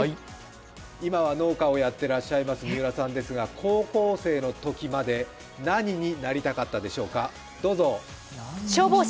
今は農家をやっていらっしゃいます三浦さんですが、高校生のときまで何になりたかったでしょうか、どうぞ。